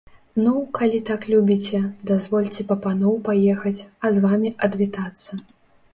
Ну, калі так любіце, дазвольце па паноў паехаць, а з вамі адвітацца.